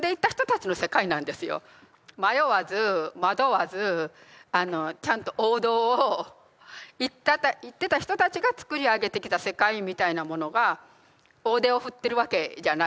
迷わず惑わずちゃんと王道を行ってた人たちがつくり上げてきた世界みたいなものが大手を振ってるわけじゃないですか。